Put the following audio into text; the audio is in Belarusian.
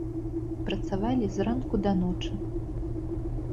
Працавалі з ранку да ночы.